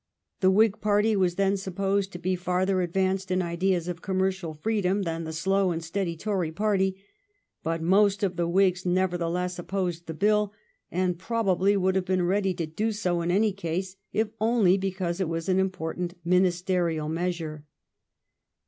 The Whig party was then supposed to be farther advanced in ideas of commercial freedom than the slow and steady Tory party, but most of the Whigs nevertheless op posed the Bill and probably would have been ready to do so in any case, if only because it was an im portant ministerial measure.